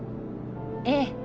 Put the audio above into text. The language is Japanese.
ええ。